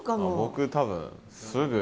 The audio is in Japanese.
僕多分すぐ。